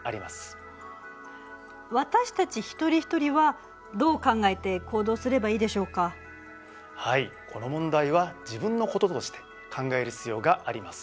はいこの問題は自分のこととして考える必要があります。